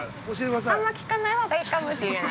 ◆あんま聞かないほうがいいかもしれない。